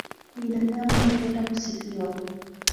Binadamu hupenda kusifiwa